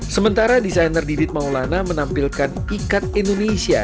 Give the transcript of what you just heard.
sementara desainer didit maulana menampilkan ikat indonesia